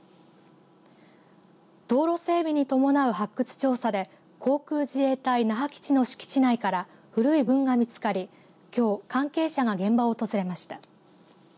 道路整備に伴う発掘調査で航空自衛隊那覇基地の敷地内から古い墓群が見つかりきょう関係者が現場を訪れました。